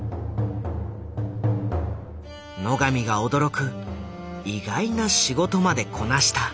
野上が驚く意外な仕事までこなした。